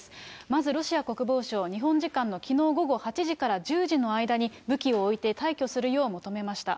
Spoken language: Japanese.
まずロシア国防省、日本時間のきのう午後８時から１０時の間に武器を置いて退去するよう求めました。